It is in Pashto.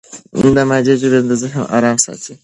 مادي ژبه ذهن ارام ساتي.